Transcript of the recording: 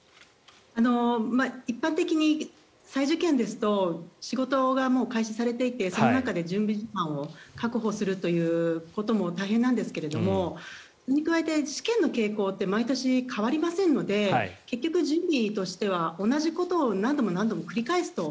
一般的に再受験ですと仕事がもう開始されていてその中で準備時間を確保するということも大変なんですけれどそれに加えて試験の傾向って毎年変わりませんので結局準備としては同じことを何度も何度も繰り返すと。